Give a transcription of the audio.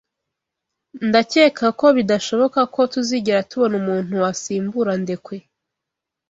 Ndacyeka ko bidashoboka ko tuzigera tubona umuntu wasimbura Ndekwe.